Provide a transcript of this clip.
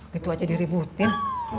gitu aja diributin